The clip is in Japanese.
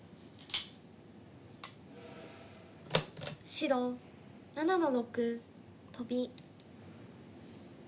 白７の六トビ。